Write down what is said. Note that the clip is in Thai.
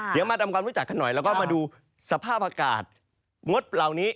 เดี๋ยวมาทำความรู้จักกันหน่อยแล้วก็มาดูสภาพอากาศงดเหล่านี้